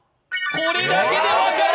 これだけで分かる！